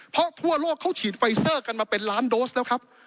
เพราะทั่วโลกเขาฉีดไฟเซอร์กันมาเป็นล้านโดสแล้วครับ